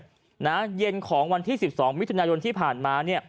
ที่เย็นของวันที่๑๒วิธนโยนที่ผ่านมา